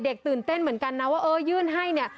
ตื่นเต้นเหมือนกันนะว่าเออยื่นให้เนี่ย